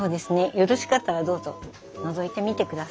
よろしかったらどうぞのぞいてみてください。